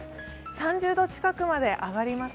３０度近くまで上がります。